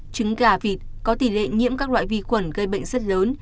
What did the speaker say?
trứng gà vịt có tỷ lệ nhiễm các loại vi khuẩn gây bệnh rất lớn